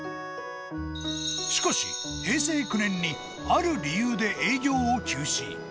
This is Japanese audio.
しかし、平成９年にある理由で営業を休止。